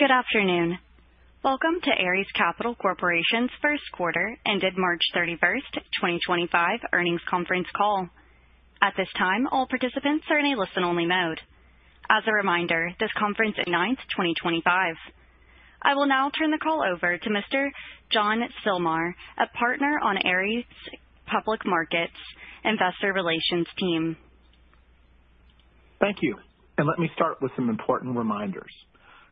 Good afternoon. Welcome to Ares Capital Corporation's First Quarter Ended March 31, 2025 earnings conference call. At this time, all participants are in a listen-only mode. As a reminder, this conference is on the 9th, 2025. I will now turn the call over to Mr. John Stilmar, a partner on Ares Public Markets' investor relations team. Thank you. Let me start with some important reminders.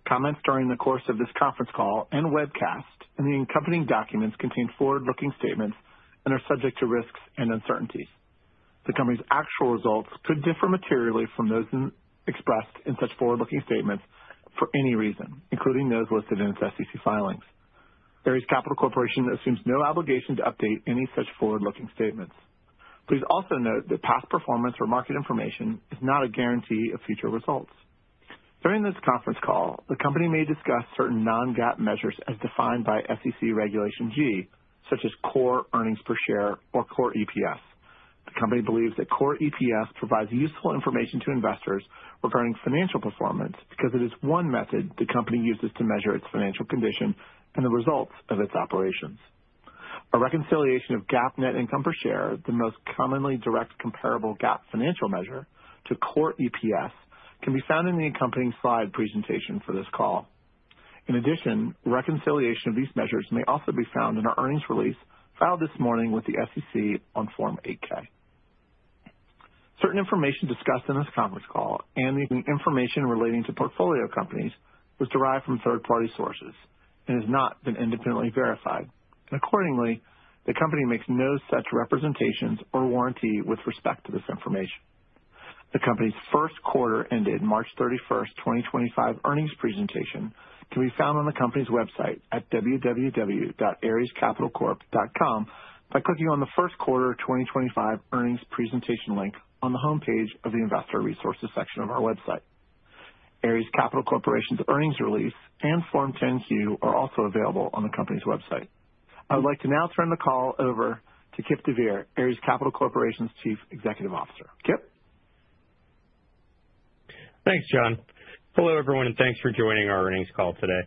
Comments during the course of this conference call and webcast and the accompanying documents contain forward-looking statements and are subject to risks and uncertainties. The company's actual results could differ materially from those expressed in such forward-looking statements for any reason, including those listed in its SEC filings. Ares Capital Corporation assumes no obligation to update any such forward-looking statements. Please also note that past performance or market information is not a guarantee of future results. During this conference call, the company may discuss certain non-GAAP measures as defined by SEC Regulation G, such as core earnings per share or core EPS. The company believes that core EPS provides useful information to investors regarding financial performance because it is one method the company uses to measure its financial condition and the results of its operations. A reconciliation of GAAP net income per share, the most commonly direct comparable GAAP financial measure, to core EPS can be found in the accompanying slide presentation for this call. In addition, reconciliation of these measures may also be found in our earnings release filed this morning with the SEC on Form 8-K. Certain information discussed in this conference call and the information relating to portfolio companies was derived from third-party sources and has not been independently verified. Accordingly, the company makes no such representations or warranty with respect to this information. The company's first quarter-ended March 31, 2025 earnings presentation can be found on the company's website at www.arescapitalcorp.com by clicking on the first quarter-2025 earnings presentation link on the homepage of the investor resources section of our website. Ares Capital Corporation's earnings release and Form 10-Q are also available on the company's website. I would like to now turn the call over to Kipp deVeer, Ares Capital Corporation's Chief Executive Officer. Kipp. Thanks, John. Hello, everyone, and thanks for joining our earnings call today.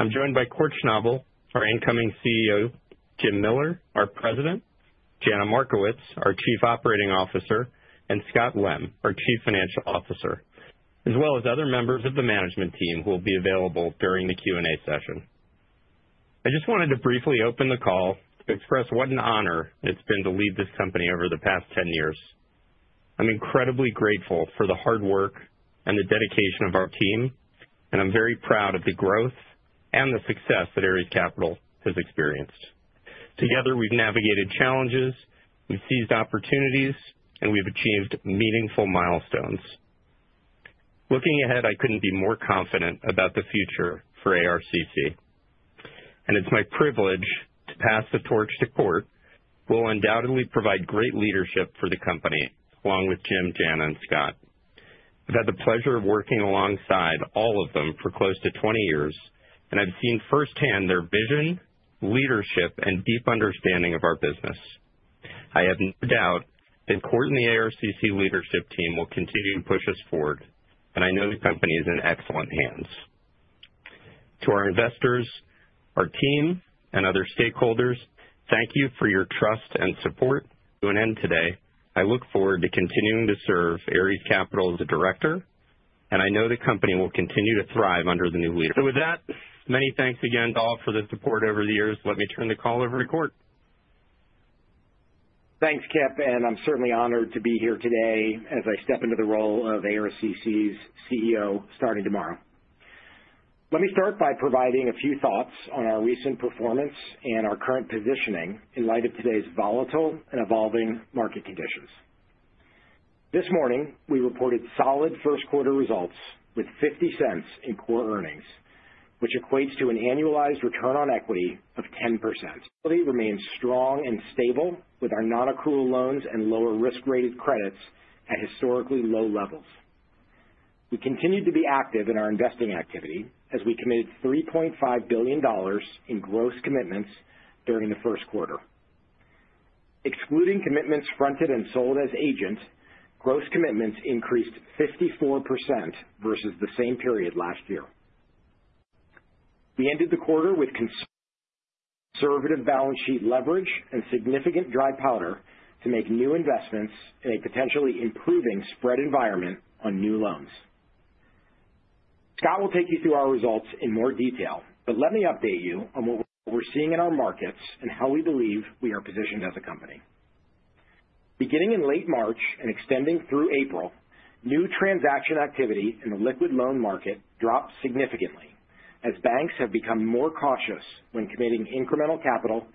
I'm joined by Kort Schnabel, our incoming CEO; Jim Miller, our President; Jana Markowitz, our Chief Operating Officer; and Scott Lem, our Chief Financial Officer, as well as other members of the management team who will be available during the Q&A session. I just wanted to briefly open the call to express what an honor it's been to lead this company over the past 10 years. I'm incredibly grateful for the hard work and the dedication of our team, and I'm very proud of the growth and the success that Ares Capital has experienced. Together, we've navigated challenges, we've seized opportunities, and we've achieved meaningful milestones. Looking ahead, I couldn't be more confident about the future for ARCC. It's my privilege to pass the torch to Kort. Will undoubtedly provide great leadership for the company along with Jim, Jana, and Scott. I've had the pleasure of working alongside all of them for close to 20 years, and I've seen firsthand their vision, leadership, and deep understanding of our business. I have no doubt that Kort and the ARCC leadership team will continue to push us forward, and I know the company is in excellent hands. To our investors, our team, and other stakeholders, thank you for your trust and support. To an end today, I look forward to continuing to serve Ares Capital as a director, and I know the company will continue to thrive under the new leader. Many thanks again to all for the support over the years. Let me turn the call over to Kort. Thanks, Kipp, and I'm certainly honored to be here today as I step into the role of ARCC's CEO starting tomorrow. Let me start by providing a few thoughts on our recent performance and our current positioning in light of today's volatile and evolving market conditions. This morning, we reported solid first quarter results with $0.50 in core earnings, which equates to an annualized return on equity of 10%. It remains strong and stable with our non-accrual loans and lower risk-rated credits at historically low levels. We continued to be active in our investing activity as we committed $3.5 billion in gross commitments during the first quarter. Excluding commitments fronted and sold as agent, gross commitments increased 54% versus the same period last year. We ended the quarter with conservative balance sheet leverage and significant dry powder to make new investments in a potentially improving spread environment on new loans. Scott will take you through our results in more detail, but let me update you on what we're seeing in our markets and how we believe we are positioned as a company. Beginning in late March and extending through April, new transaction activity in the liquid loan market dropped significantly as banks have become more cautious when committing incremental capital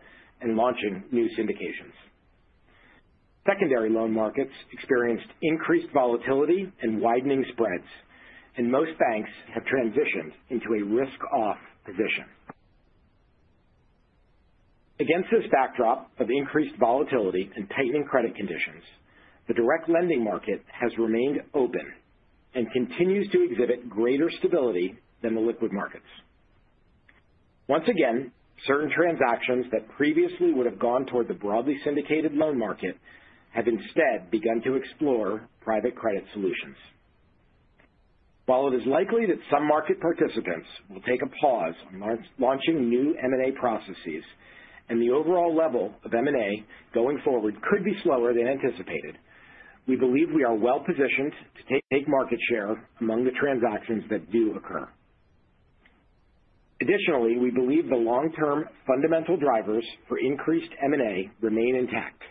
and launching new syndications. Secondary loan markets experienced increased volatility and widening spreads, and most banks have transitioned into a risk-off position. Against this backdrop of increased volatility and tightening credit conditions, the direct lending market has remained open and continues to exhibit greater stability than the liquid markets. Once again, certain transactions that previously would have gone toward the broadly syndicated loan market have instead begun to explore private credit solutions. While it is likely that some market participants will take a pause on launching new M&A processes and the overall level of M&A going forward could be slower than anticipated, we believe we are well positioned to take market share among the transactions that do occur. Additionally, we believe the long-term fundamental drivers for increased M&A remain intact,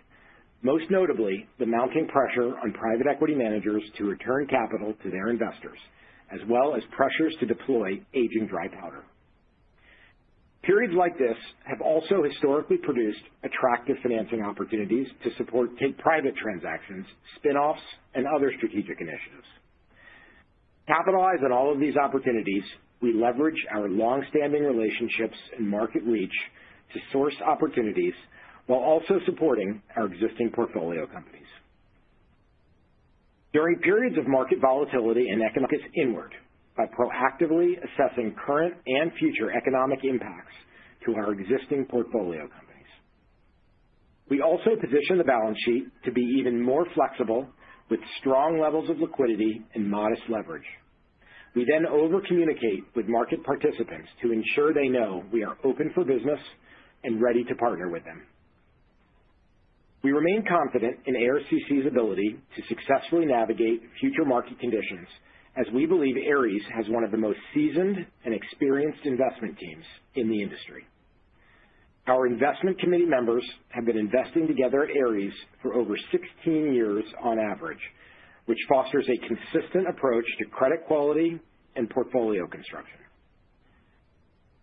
most notably the mounting pressure on private equity managers to return capital to their investors, as well as pressures to deploy aging dry powder. Periods like this have also historically produced attractive financing opportunities to support private transactions, spinoffs, and other strategic initiatives. Capitalized on all of these opportunities, we leverage our long-standing relationships and market reach to source opportunities while also supporting our existing portfolio companies. During periods of market volatility and economic markets inward by proactively assessing current and future economic impacts to our existing portfolio companies. We also position the balance sheet to be even more flexible with strong levels of liquidity and modest leverage. We then over-communicate with market participants to ensure they know we are open for business and ready to partner with them. We remain confident in ARCC's ability to successfully navigate future market conditions as we believe Ares has one of the most seasoned and experienced investment teams in the industry. Our investment committee members have been investing together at Ares for over 16 years on average, which fosters a consistent approach to credit quality and portfolio construction.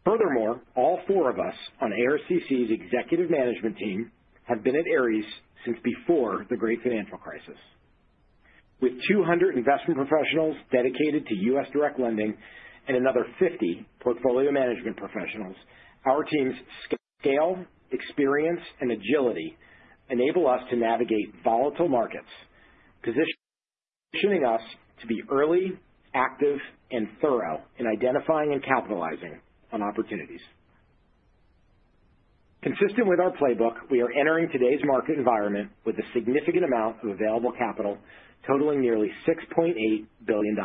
Furthermore, all four of us on ARCC's executive management team have been at Ares since before the Great Financial Crisis. With 200 investment professionals dedicated to U.S. direct lending and another 50 portfolio management professionals, our team's scale, experience, and agility enable us to navigate volatile markets, positioning us to be early, active, and thorough in identifying and capitalizing on opportunities. Consistent with our playbook, we are entering today's market environment with a significant amount of available capital totaling nearly $6.8 billion,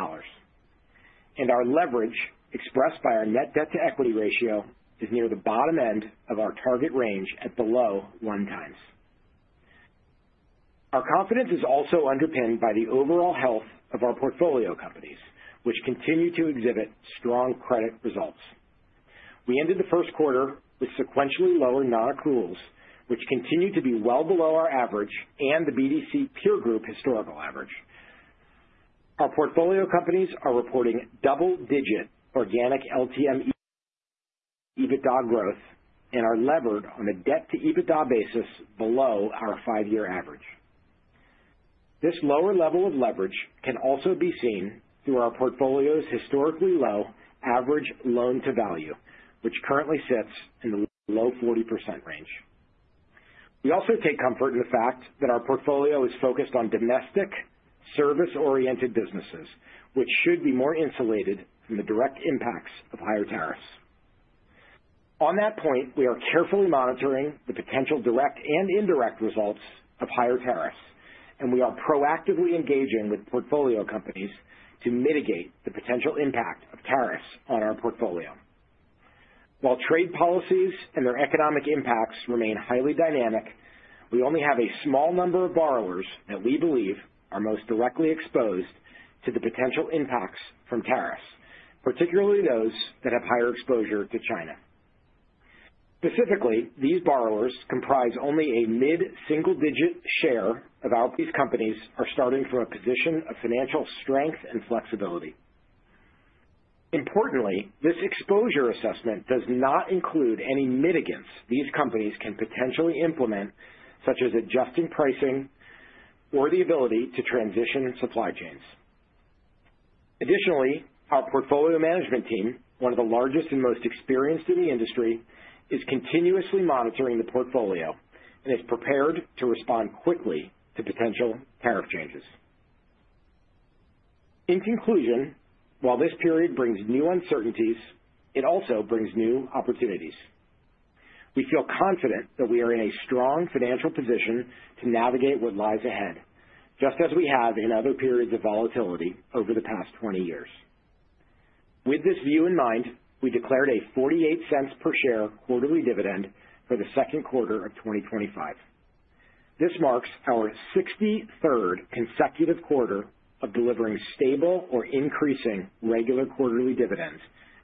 and our leverage expressed by our net debt to equity ratio is near the bottom end of our target range at below 1x. Our confidence is also underpinned by the overall health of our portfolio companies, which continue to exhibit strong credit results. We ended the first quarter with sequentially lower non-accruals, which continue to be well below our average and the BDC peer group historical average. Our portfolio companies are reporting double-digit organic LTM EBITDA growth and are levered on a debt to EBITDA basis below our five-year average. This lower level of leverage can also be seen through our portfolio's historically low average loan-to-value, which currently sits in the low 40% range. We also take comfort in the fact that our portfolio is focused on domestic service-oriented businesses, which should be more insulated from the direct impacts of higher tariffs. On that point, we are carefully monitoring the potential direct and indirect results of higher tariffs, and we are proactively engaging with portfolio companies to mitigate the potential impact of tariffs on our portfolio. While trade policies and their economic impacts remain highly dynamic, we only have a small number of borrowers that we believe are most directly exposed to the potential impacts from tariffs, particularly those that have higher exposure to China. Specifically, these borrowers comprise only a mid-single-digit share of our companies that are starting from a position of financial strength and flexibility. Importantly, this exposure assessment does not include any mitigants these companies can potentially implement, such as adjusting pricing or the ability to transition supply chains. Additionally, our portfolio management team, one of the largest and most experienced in the industry, is continuously monitoring the portfolio and is prepared to respond quickly to potential tariff changes. In conclusion, while this period brings new uncertainties, it also brings new opportunities. We feel confident that we are in a strong financial position to navigate what lies ahead, just as we have in other periods of volatility over the past 20 years. With this view in mind, we declared a $0.48 per share quarterly dividend for the second quarter of 2025. This marks our 63rd consecutive quarter of delivering stable or increasing regular quarterly dividends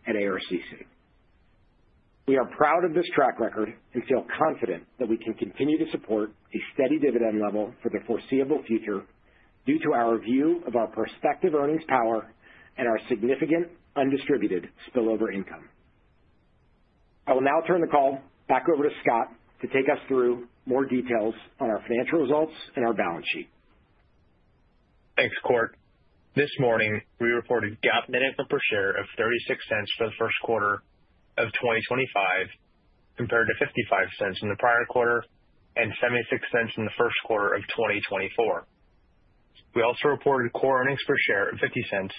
at ARCC. We are proud of this track record and feel confident that we can continue to support a steady dividend level for the foreseeable future due to our view of our prospective earnings power and our significant undistributed spillover income. I will now turn the call back over to Scott to take us through more details on our financial results and our balance sheet. Thanks, Kort. This morning, we reported GAAP net income per share of $0.36 for the first quarter of 2025 compared to $0.55 in the prior quarter and $0.76 in the first quarter of 2024. We also reported core earnings per share of $0.50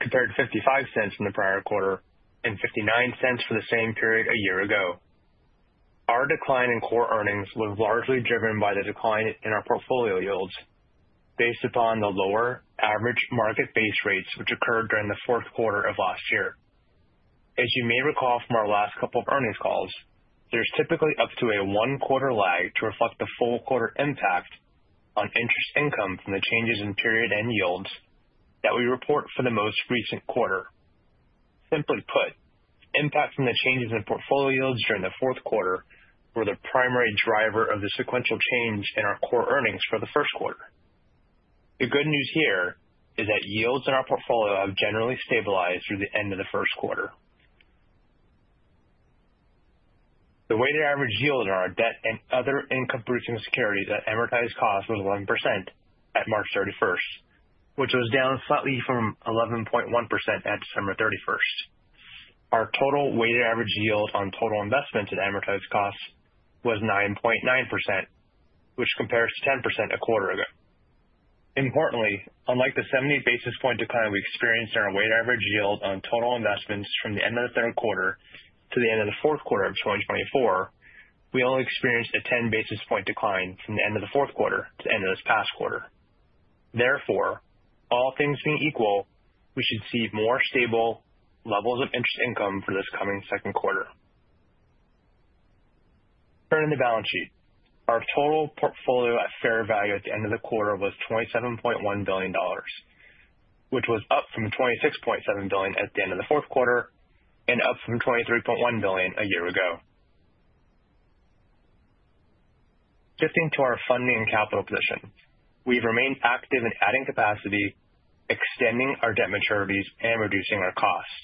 compared to $0.55 in the prior quarter and $0.59 for the same period a year ago. Our decline in core earnings was largely driven by the decline in our portfolio yields based upon the lower average market base rates, which occurred during the fourth quarter of last year. As you may recall from our last couple of earnings calls, there's typically up to a one-quarter lag to reflect the full quarter impact on interest income from the changes in period and yields that we report for the most recent quarter. Simply put, impact from the changes in portfolio yields during the fourth quarter were the primary driver of the sequential change in our core earnings for the first quarter. The good news here is that yields in our portfolio have generally stabilized through the end of the first quarter. The weighted average yield on our debt and other income-producing securities at amortized cost was 11% at March 31st, which was down slightly from 11.1% at December 31st. Our total weighted average yield on total investments at amortized cost was 9.9%, which compares to 10% a quarter ago. Importantly, unlike the 70 basis point decline we experienced in our weighted average yield on total investments from the end of the third quarter to the end of the fourth quarter of 2024, we only experienced a 10 basis point decline from the end of the fourth quarter to the end of this past quarter. Therefore, all things being equal, we should see more stable levels of interest income for this coming second quarter. Turning to the balance sheet, our total portfolio at fair value at the end of the quarter was $27.1 billion, which was up from $26.7 billion at the end of the fourth quarter and up from $23.1 billion a year ago. Shifting to our funding and capital position, we've remained active in adding capacity, extending our debt maturities, and reducing our cost.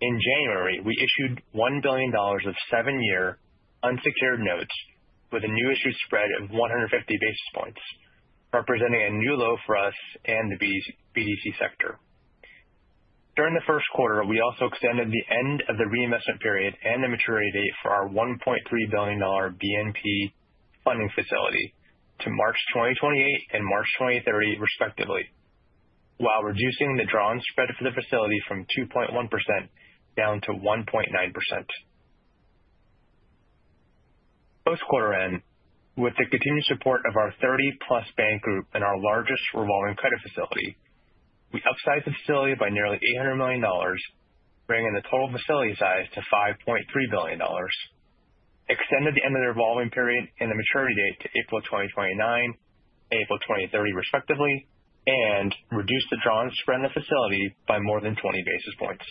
In January, we issued $1 billion of seven-year unsecured notes with a new issue spread of 150 basis points, representing a new low for us and the BDC sector. During the first quarter, we also extended the end of the reinvestment period and the maturity date for our $1.3 billion BNP funding facility to March 2028 and March 2030, respectively, while reducing the drawn spread for the facility from 2.1% down to 1.9%. Post-quarter end, with the continued support of our 30-plus bank group and our largest revolving credit facility, we upsized the facility by nearly $800 million, bringing the total facility size to $5.3 billion, extended the end of the revolving period and the maturity date to April 2029 and April 2030, respectively, and reduced the drawn spread in the facility by more than 20 basis points.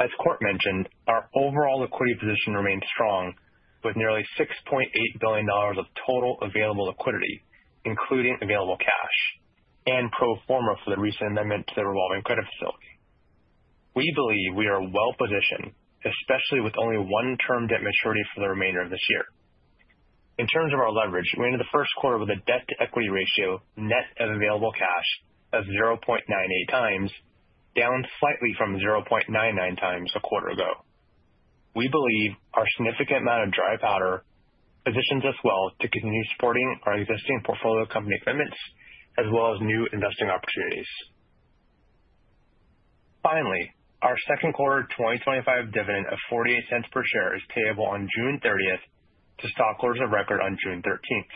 As Kort mentioned, our overall liquidity position remained strong with nearly $6.8 billion of total available liquidity, including available cash and pro forma for the recent amendment to the revolving credit facility. We believe we are well positioned, especially with only one term debt maturity for the remainder of this year. In terms of our leverage, we ended the first quarter with a debt to equity ratio net of available cash of 0.98x, down slightly from 0.99x a quarter ago. We believe our significant amount of dry powder positions us well to continue supporting our existing portfolio company commitments as well as new investing opportunities. Finally, our second quarter 2025 dividend of $0.48 per share is payable on June 30th to stockholders of record on June 13th.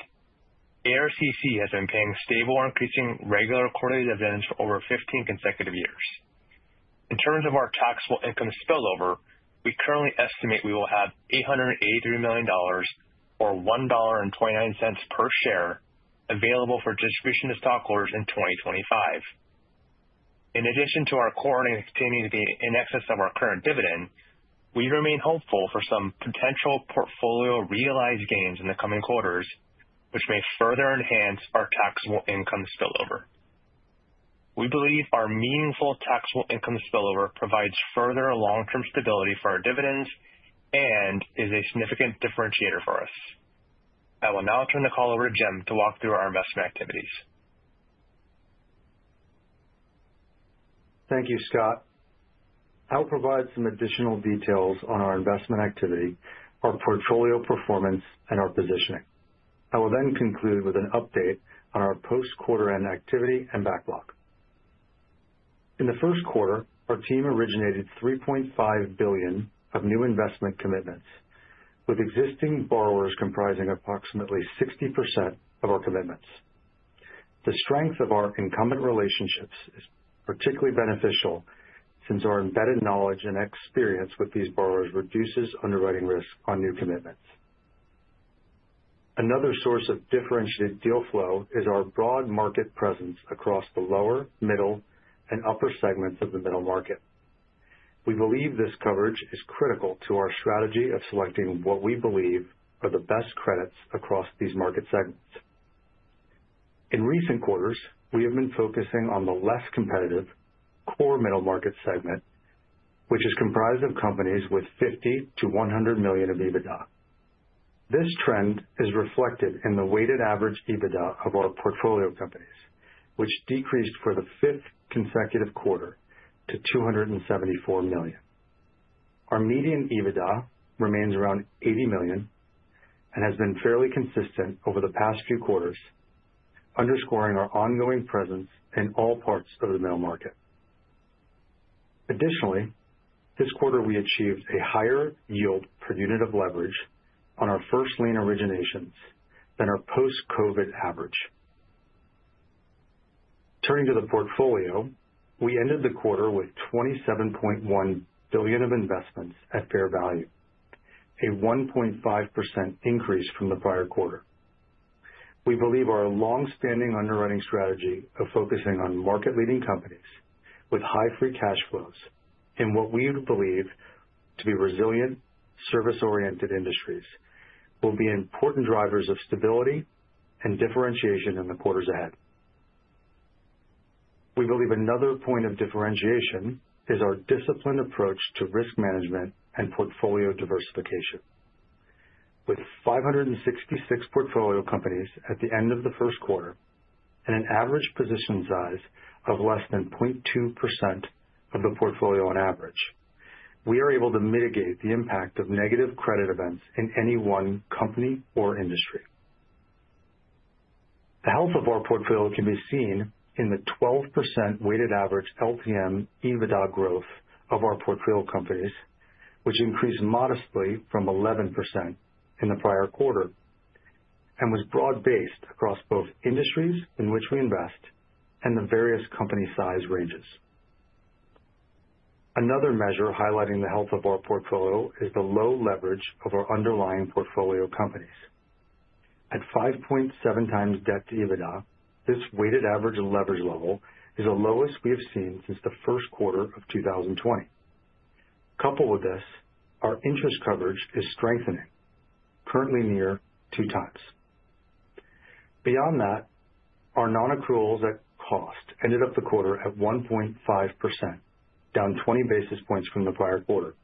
ARCC has been paying stable or increasing regular quarterly dividends for over 15 consecutive years. In terms of our taxable income spillover, we currently estimate we will have $883 million or $1.29 per share available for distribution to stockholders in 2025. In addition to our core earnings continuing to be in excess of our current dividend, we remain hopeful for some potential portfolio realized gains in the coming quarters, which may further enhance our taxable income spillover. We believe our meaningful taxable income spillover provides further long-term stability for our dividends and is a significant differentiator for us. I will now turn the call over to Jim to walk through our investment activities. Thank you, Scott. I'll provide some additional details on our investment activity, our portfolio performance, and our positioning. I will then conclude with an update on our post-quarter end activity and backlog. In the first quarter, our team originated $3.5 billion of new investment commitments, with existing borrowers comprising approximately 60% of our commitments. The strength of our incumbent relationships is particularly beneficial since our embedded knowledge and experience with these borrowers reduces underwriting risk on new commitments. Another source of differentiated deal flow is our broad market presence across the lower, middle, and upper segments of the middle market. We believe this coverage is critical to our strategy of selecting what we believe are the best credits across these market segments. In recent quarters, we have been focusing on the less competitive core middle market segment, which is comprised of companies with $50-$100 million of EBITDA. This trend is reflected in the weighted average EBITDA of our portfolio companies, which decreased for the fifth consecutive quarter to $274 million. Our median EBITDA remains around $80 million and has been fairly consistent over the past few quarters, underscoring our ongoing presence in all parts of the middle market. Additionally, this quarter, we achieved a higher yield per unit of leverage on our first-line originations than our post-COVID average. Turning to the portfolio, we ended the quarter with $27.1 billion of investments at fair value, a 1.5% increase from the prior quarter. We believe our long-standing underwriting strategy of focusing on market-leading companies with high free cash flows and what we believe to be resilient, service-oriented industries will be important drivers of stability and differentiation in the quarters ahead. We believe another point of differentiation is our disciplined approach to risk management and portfolio diversification. With 566 portfolio companies at the end of the first quarter and an average position size of less than 0.2% of the portfolio on average, we are able to mitigate the impact of negative credit events in any one company or industry. The health of our portfolio can be seen in the 12% weighted average LTM EBITDA growth of our portfolio companies, which increased modestly from 11% in the prior quarter and was broad-based across both industries in which we invest and the various company size ranges. Another measure highlighting the health of our portfolio is the low leverage of our underlying portfolio companies. At 5.7x debt to EBITDA, this weighted average leverage level is the lowest we have seen since the first quarter of 2020. Coupled with this, our interest coverage is strengthening, currently near 2x. Beyond that, our non-accruals at cost ended up the quarter at 1.5%, down 20 basis points from the prior quarter.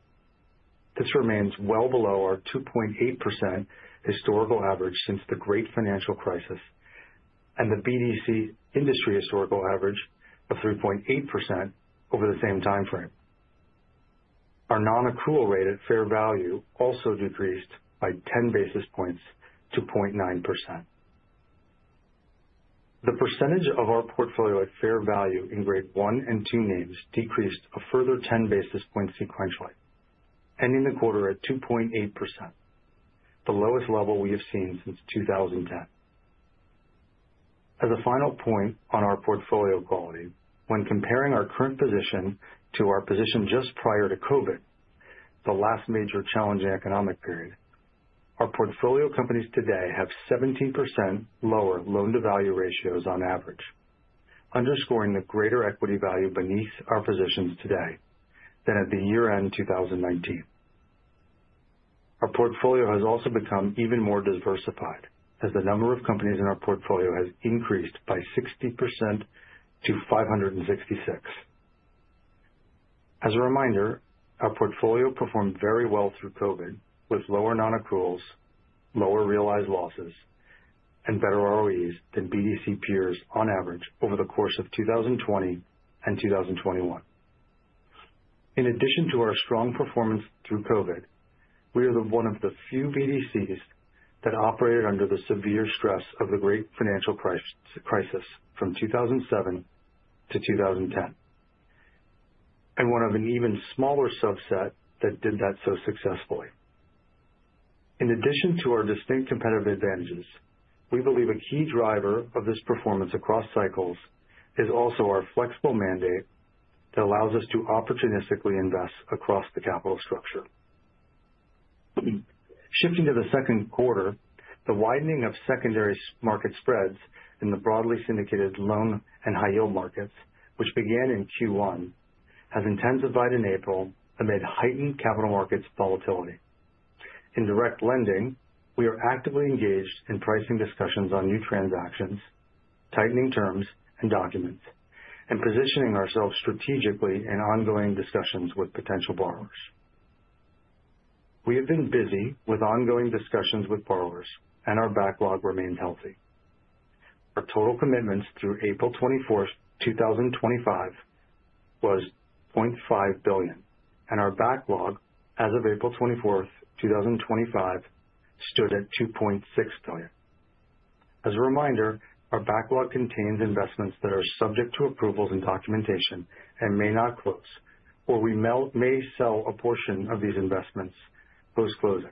This remains well below our 2.8% historical average since the Great Financial Crisis and the BDC industry historical average of 3.8% over the same timeframe. Our non-accrual rate at fair value also decreased by 10 basis points to 0.9%. The percentage of our portfolio at fair value in grade one and two names decreased a further 10 basis points sequentially, ending the quarter at 2.8%, the lowest level we have seen since 2010. As a final point on our portfolio quality, when comparing our current position to our position just prior to COVID, the last major challenging economic period, our portfolio companies today have 17% lower loan-to-value ratios on average, underscoring the greater equity value beneath our positions today than at the year-end 2019. Our portfolio has also become even more diversified as the number of companies in our portfolio has increased by 60% to 566. As a reminder, our portfolio performed very well through COVID with lower non-accruals, lower realized losses, and better ROEs than BDC peers on average over the course of 2020 and 2021. In addition to our strong performance through COVID, we are one of the few BDCs that operated under the severe stress of the Great Financial Crisis from 2007 to 2010 and one of an even smaller subset that did that so successfully. In addition to our distinct competitive advantages, we believe a key driver of this performance across cycles is also our flexible mandate that allows us to opportunistically invest across the capital structure. Shifting to the second quarter, the widening of secondary market spreads in the broadly syndicated loan and high-yield markets, which began in Q1, has intensified in April amid heightened capital markets volatility. In direct lending, we are actively engaged in pricing discussions on new transactions, tightening terms and documents, and positioning ourselves strategically in ongoing discussions with potential borrowers. We have been busy with ongoing discussions with borrowers, and our backlog remains healthy. Our total commitments through April 24, 2025, was $0.5 billion and our backlog as of April 24, 2025, stood at $2.6 billion. As a reminder, our backlog contains investments that are subject to approvals and documentation and may not close, or we may sell a portion of these investments post-closing.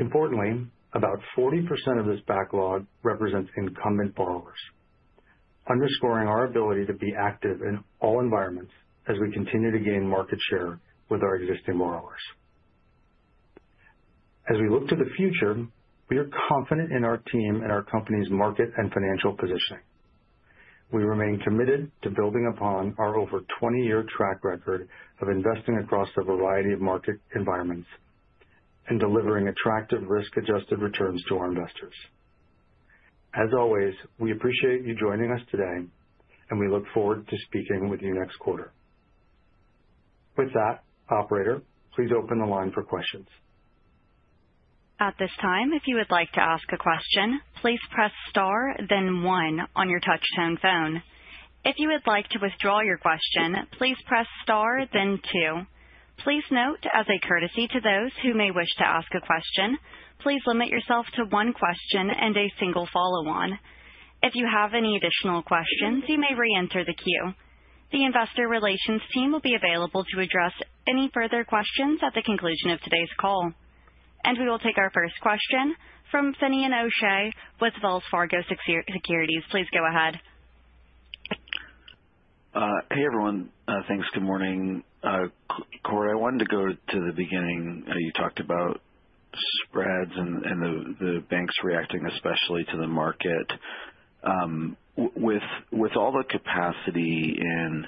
Importantly, about 40% of this backlog represents incumbent borrowers, underscoring our ability to be active in all environments as we continue to gain market share with our existing borrowers. As we look to the future, we are confident in our team and our company's market and financial positioning. We remain committed to building upon our over 20-year track record of investing across a variety of market environments and delivering attractive risk-adjusted returns to our investors. As always, we appreciate you joining us today, and we look forward to speaking with you next quarter. With that, Operator, please open the line for questions. At this time, if you would like to ask a question, please press star, then one on your touch-tone phone. If you would like to withdraw your question, please press star, then two. Please note, as a courtesy to those who may wish to ask a question, please limit yourself to one question and a single follow-on. If you have any additional questions, you may re-enter the queue. The investor relations team will be available to address any further questions at the conclusion of today's call. We will take our first question from Finian O'Shea with Wells Fargo Securities. Please go ahead. Hey, everyone. Thanks. Good morning. Kort, I wanted to go to the beginning. You talked about spreads and the banks reacting, especially to the market. With all the capacity in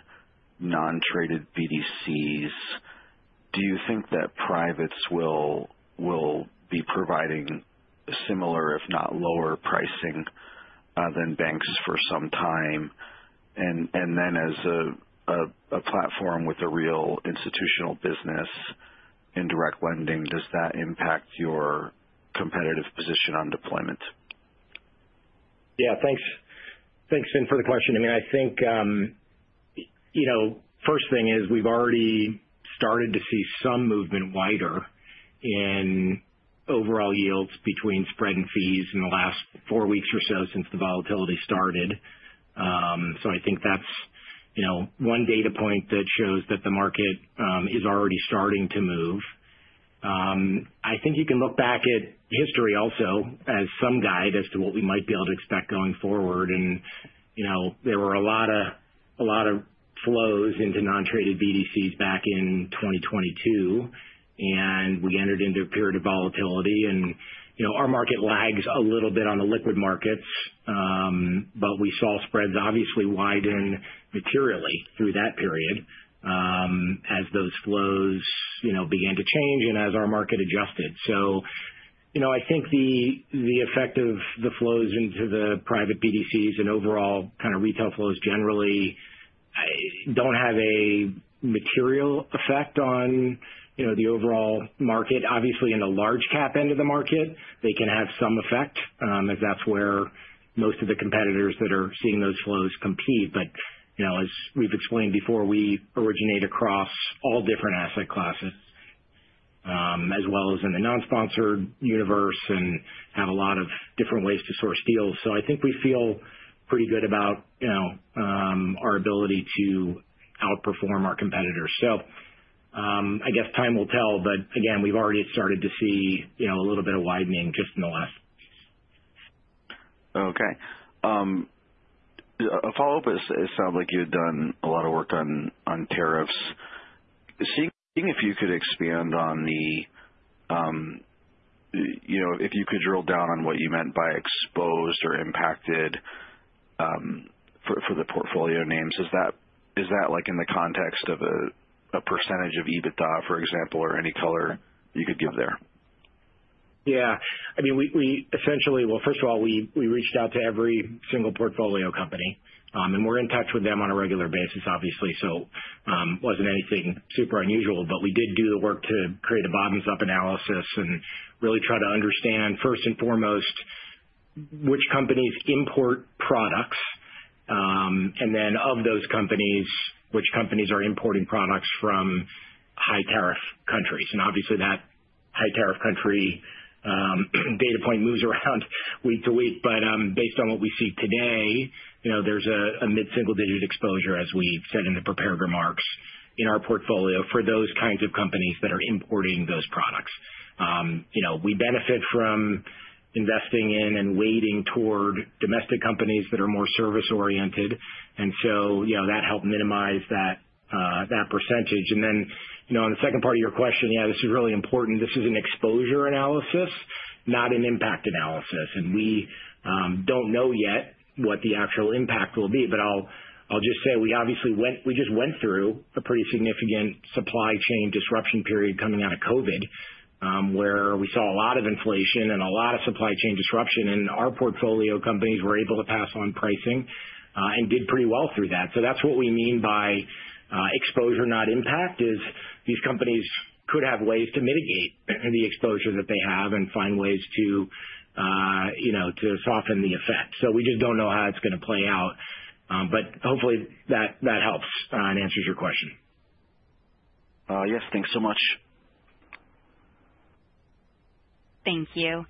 non-traded BDCs, do you think that privates will be providing similar, if not lower, pricing than banks for some time? As a platform with a real institutional business in direct lending, does that impact your competitive position on deployment? Yeah. Thanks, Finn, for the question. I mean, I think the first thing is we've already started to see some movement wider in overall yields between spread and fees in the last four weeks or so since the volatility started. I think that's one data point that shows that the market is already starting to move. I think you can look back at history also as some guide as to what we might be able to expect going forward. There were a lot of flows into non-traded BDCs back in 2022, and we entered into a period of volatility. Our market lags a little bit on the liquid markets, but we saw spreads obviously widen materially through that period as those flows began to change and as our market adjusted. I think the effect of the flows into the private BDCs and overall kind of retail flows generally do not have a material effect on the overall market. Obviously, in the large cap end of the market, they can have some effect as that is where most of the competitors that are seeing those flows compete. As we have explained before, we originate across all different asset classes as well as in the non-sponsored universe and have a lot of different ways to source deals. I think we feel pretty good about our ability to outperform our competitors. I guess time will tell, but again, we have already started to see a little bit of widening just in the last few weeks. Okay. A follow-up is, it sounds like you had done a lot of work on tariffs. Seeing if you could expand on the, if you could drill down on what you meant by exposed or impacted for the portfolio names, is that in the context of a percentage of EBITDA, for example, or any color you could give there? Yeah. I mean, we essentially, first of all, we reached out to every single portfolio company, and we're in touch with them on a regular basis, obviously. It was not anything super unusual, but we did do the work to create a bottoms-up analysis and really try to understand, first and foremost, which companies import products and then, of those companies, which companies are importing products from high tariff countries. Obviously, that high tariff country data point moves around week to week. Based on what we see today, there is a mid-single-digit exposure, as we said in the prepared remarks, in our portfolio for those kinds of companies that are importing those products. We benefit from investing in and weighting toward domestic companies that are more service-oriented. That helped minimize that percentage. On the second part of your question, yeah, this is really important. This is an exposure analysis, not an impact analysis. We do not know yet what the actual impact will be, but I'll just say we obviously went, we just went through a pretty significant supply chain disruption period coming out of COVID where we saw a lot of inflation and a lot of supply chain disruption. Our portfolio companies were able to pass on pricing and did pretty well through that. That is what we mean by exposure, not impact, is these companies could have ways to mitigate the exposure that they have and find ways to soften the effect. We just do not know how it is going to play out, but hopefully that helps and answers your question. Yes. Thanks so much. Thank you.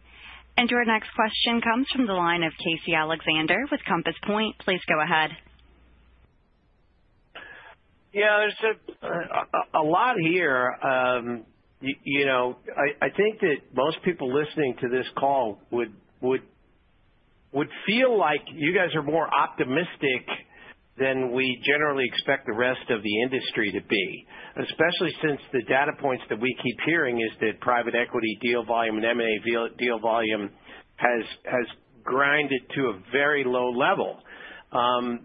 Your next question comes from the line of Casey Alexander with Compass Point. Please go ahead. Yeah. There's a lot here. I think that most people listening to this call would feel like you guys are more optimistic than we generally expect the rest of the industry to be, especially since the data points that we keep hearing is that private equity deal volume and M&A deal volume has grinded to a very low level. I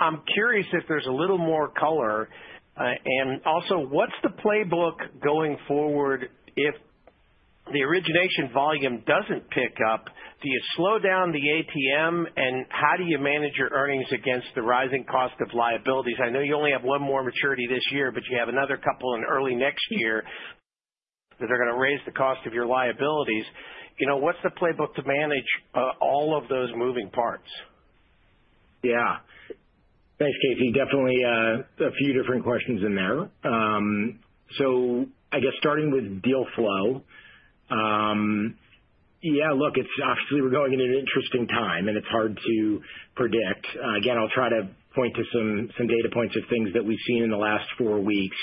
am curious if there's a little more color. Also, what's the playbook going forward if the origination volume doesn't pick up? Do you slow down the ATM, and how do you manage your earnings against the rising cost of liabilities? I know you only have one more maturity this year, but you have another couple in early next year that are going to raise the cost of your liabilities. What's the playbook to manage all of those moving parts? Yeah. Thanks, Casey. Definitely a few different questions in there. I guess starting with deal flow, yeah, look, it's obviously we're going in an interesting time, and it's hard to predict. Again, I'll try to point to some data points of things that we've seen in the last four weeks,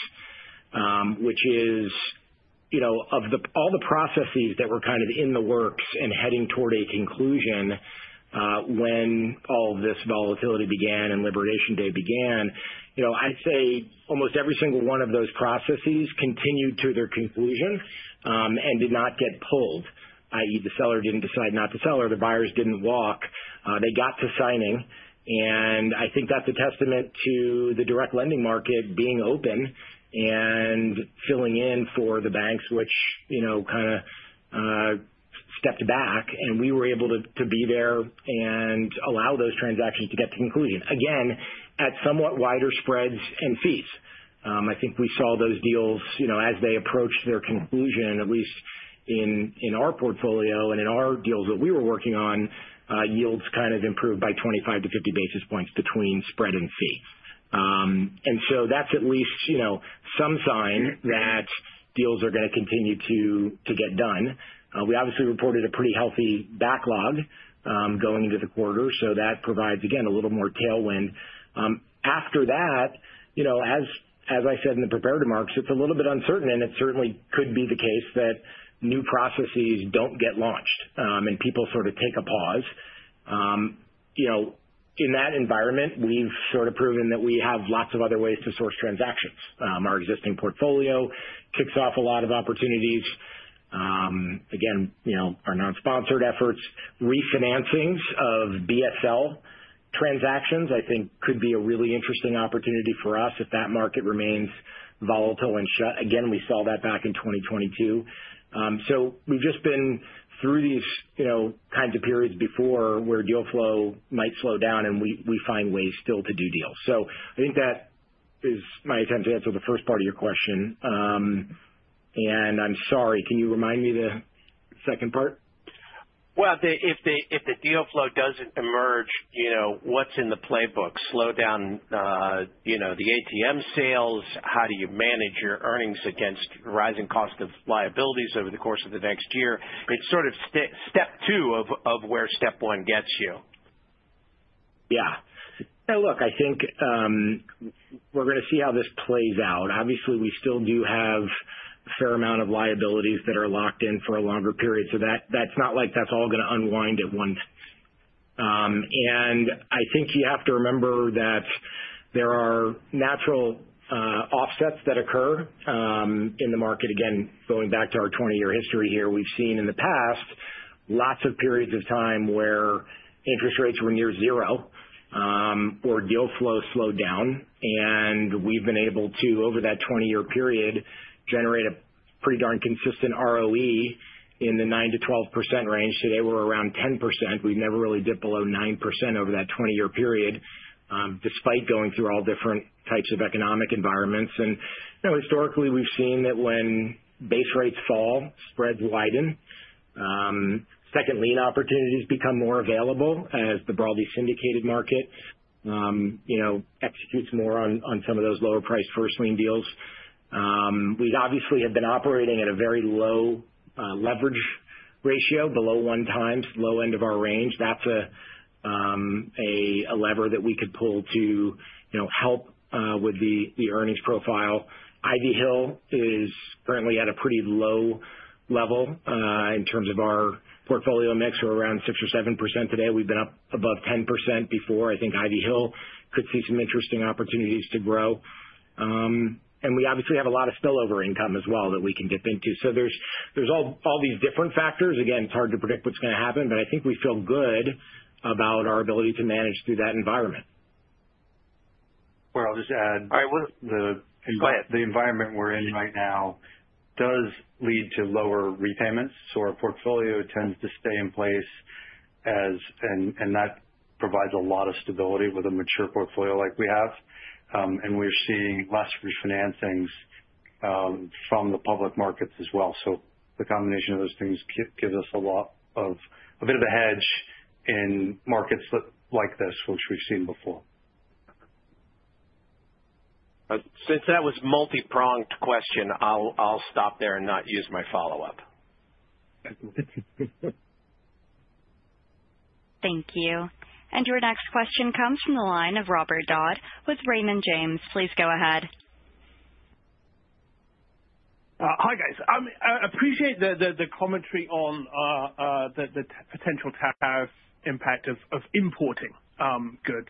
which is of all the processes that were kind of in the works and heading toward a conclusion when all of this volatility began and Liberation Day began, I'd say almost every single one of those processes continued to their conclusion and did not get pulled, i.e., the seller didn't decide not to sell or the buyers didn't walk. They got to signing, and I think that's a testament to the direct lending market being open and filling in for the banks, which kind of stepped back, and we were able to be there and allow those transactions to get to conclusion. Again, at somewhat wider spreads and fees. I think we saw those deals as they approached their conclusion, at least in our portfolio and in our deals that we were working on, yields kind of improved by 25-50 basis points between spread and fee. That is at least some sign that deals are going to continue to get done. We obviously reported a pretty healthy backlog going into the quarter, so that provides, again, a little more tailwind. After that, as I said in the prepared remarks, it is a little bit uncertain, and it certainly could be the case that new processes do not get launched and people sort of take a pause. In that environment, we have sort of proven that we have lots of other ways to source transactions. Our existing portfolio kicks off a lot of opportunities. Again, our non-sponsored efforts, refinancings of BSL transactions, I think could be a really interesting opportunity for us if that market remains volatile and shut. Again, we saw that back in 2022. We have just been through these kinds of periods before where deal flow might slow down, and we find ways still to do deals. I think that is my attempt to answer the first part of your question. I'm sorry, can you remind me the second part? If the deal flow does not emerge, what is in the playbook? Slow down the ATM sales? How do you manage your earnings against rising cost of liabilities over the course of the next year? It is sort of step two of where step one gets you. Yeah. Yeah. Look, I think we are going to see how this plays out. Obviously, we still do have a fair amount of liabilities that are locked in for a longer period. That is not like that is all going to unwind at one time. I think you have to remember that there are natural offsets that occur in the market. Again, going back to our 20-year history here, we have seen in the past lots of periods of time where interest rates were near zero or deal flow slowed down. We have been able to, over that 20-year period, generate a pretty darn consistent ROE in the 9%-12% range. Today, we are around 10%. We have never really dipped below 9% over that 20-year period despite going through all different types of economic environments. Historically, we've seen that when base rates fall, spreads widen, second lien opportunities become more available as the broadly syndicated market executes more on some of those lower-priced first lien deals. We obviously have been operating at a very low leverage ratio, below 1x, low end of our range. That's a lever that we could pull to help with the earnings profile. Ivy Hill is currently at a pretty low level in terms of our portfolio mix. We're around 6% or 7% today. We've been up above 10% before. I think Ivy Hill could see some interesting opportunities to grow. We obviously have a lot of spillover income as well that we can dip into. There are all these different factors. Again, it's hard to predict what's going to happen, but I think we feel good about our ability to manage through that environment. I'll just add. All right. What? The environment we're in right now does lead to lower repayments, so our portfolio tends to stay in place, and that provides a lot of stability with a mature portfolio like we have. We're seeing less refinancings from the public markets as well. The combination of those things gives us a bit of a hedge in markets like this, which we've seen before. Since that was a multi-pronged question, I'll stop there and not use my follow-up. Thank you. Your next question comes from the line of Robert Dodd with Raymond James. Please go ahead. Hi, guys. I appreciate the commentary on the potential tariff impact of importing goods.